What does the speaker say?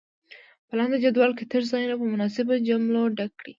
په لاندې جدول کې تش ځایونه په مناسبو جملو ډک کړئ.